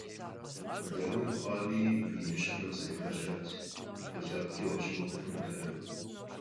Дауэ мыхъуами, иныжьхэр къызэрехьэжьат, фӀы лъэпкъкӏи уащыгугъ хъунутэкъым.